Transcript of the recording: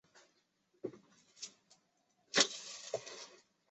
香港艺术发展局亦有定期资助多个文学出版和推广计划。